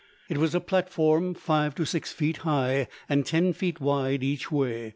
It was a platform five to six feet high and ten feet wide each way.